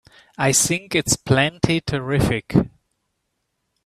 I think it's plenty terrific!